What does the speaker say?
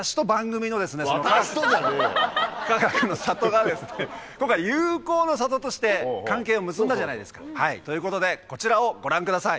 かがくの里が今回友好の里として関係を結んだじゃないですか。ということでこちらをご覧ください。